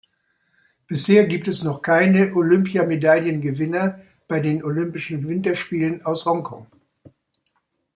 Bisher gibt es noch keine Olympiamedaillengewinner bei den Olympischen Winterspielen aus Hongkong.